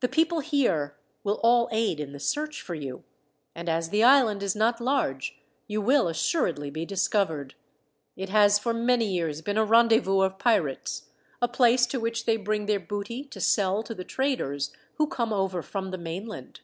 The people here will all aid in the search for you, and as the island is not large, you will assuredly be discovered. It has for many years been a rendezvous of pirates, a place to which they bring their booty to sell to the traders who come over from the mainland."